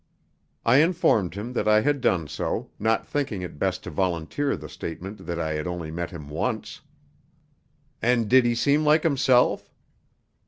I informed him that I had done so, not thinking it best to volunteer the statement that I had only met him once. "And did he seem like himself?"